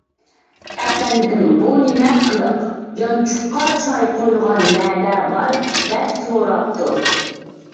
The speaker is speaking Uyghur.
— ئەپەندىم، بۇ نېمە قىلىق، يانچۇققا چاي قۇيغان نەدە بار؟ — دەپ سوراپتۇ.